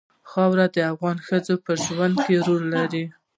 خاوره د افغان ښځو په ژوند کې رول لري.